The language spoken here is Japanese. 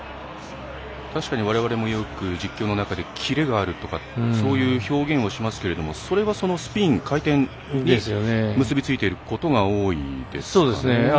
確かに、われわれもよく実況の中でキレがあるとかそういう表現をしますけれどもそれは、スピン、回転に結び付いていることが多いですかね。